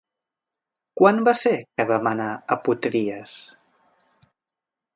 Quan va ser que vam anar a Potries?